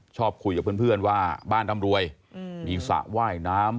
ชอบคุยกับเพื่อนว่าบ้านร่ำรวยมีสระว่ายน้ำ